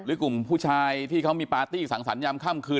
หรือกลุ่มผู้ชายที่เขามีปาร์ตี้สั่งสรรคยามค่ำคืน